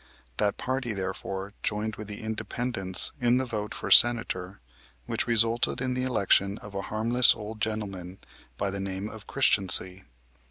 That party, therefore, joined with the Independents in the vote for Senator which resulted in the election of a harmless old gentleman by the name of Christiancy.